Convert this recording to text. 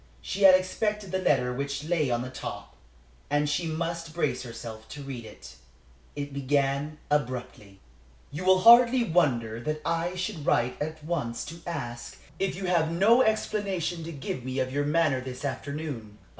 She had expected the letter which lay on the top, and she must brace herself to read it. It began abruptly: "You will hardly wonder that I should write at once to ask if you have no explanation to give me of your manner of this afternoon.